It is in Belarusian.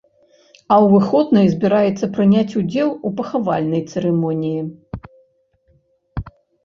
А ў выходныя збіраецца прыняць удзел у пахавальнай цырымоніі.